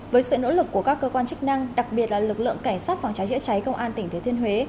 với sự nỗ lực của các cơ quan chức năng đặc biệt là lực lượng cảnh sát phòng cháy chữa cháy công an tỉnh thừa thiên huế